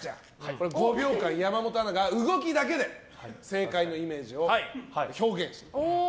これは５秒間山本アナが動きだけで正解のイメージを表現してくれる。